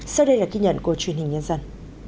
sau đây là ghi nhận của truyền hình nhân dân